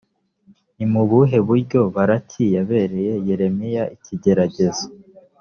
ni mu buhe buryo baruki yabereye yeremiya ikigeragezo?